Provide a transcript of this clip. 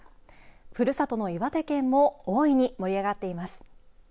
ふるさとの岩手県も大いに盛り上がっています。